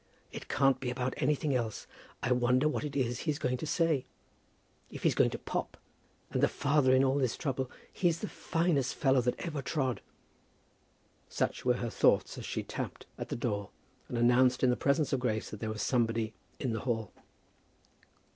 "It can't be about anything else. I wonder what it is he's going to say. If he's going to pop, and the father in all this trouble, he's the finest fellow that ever trod." Such were her thoughts as she tapped at the door and announced in the presence of Grace that there was somebody in the hall.